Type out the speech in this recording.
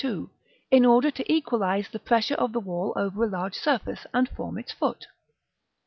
II.), in order to equalise the pressure of the wall over a large surface, and form its foot.